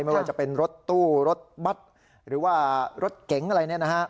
ไม่ว่าจะเป็นรถตู้รถบัตรรถเก๋งอะไรนะ